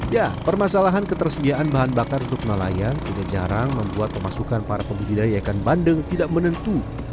ya permasalahan ketersediaan bahan bakar untuk nelayan juga jarang membuat pemasukan para pembudidaya ikan bandeng tidak menentu